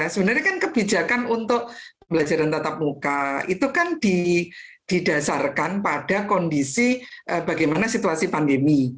sebenarnya kan kebijakan untuk pembelajaran tatap muka itu kan didasarkan pada kondisi bagaimana situasi pandemi